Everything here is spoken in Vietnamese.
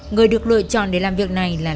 người được lựa chọn để làm việc này là